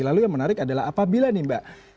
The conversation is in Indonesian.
lalu yang menarik adalah apabila nih mbak